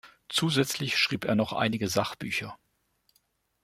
Zusätzlich schrieb er noch einige Sachbücher.